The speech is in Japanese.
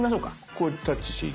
これタッチしていい？